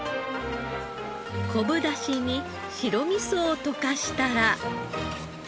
昆布出汁に白味噌を溶かしたら。